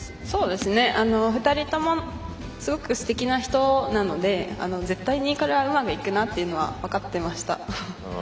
２人ともすごくすてきな人なので絶対にこれはうまくいくなというのは分かってました。